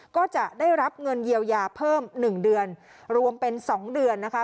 ก็จะได้รับเงินเยียวยาเพิ่ม๑เดือนรวมเป็น๒เดือนนะคะ